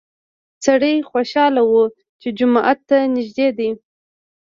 سړی خوشحاله و چې جومات ته نږدې دی.